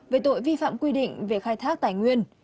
về tội vi phạm quy định về khai thác tài nguyên